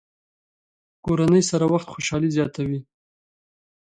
کورنۍ سره وخت خوشحالي زیاتوي.